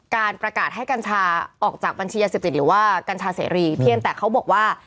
การประกาศให้กัญชาออกจากบัญชียาเสพติดหรือว่ากัญชาเสรีเพียงแต่เขาบอกว่า